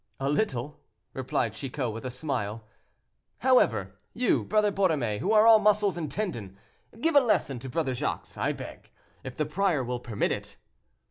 "A little," replied Chicot, with a smile. "However, you, Brother Borromée, who are all muscle and tendon, give a lesson to Brother Jacques, I beg, if the prior will permit it."